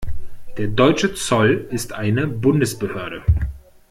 Der deutsche Zoll ist eine Bundesbehörde.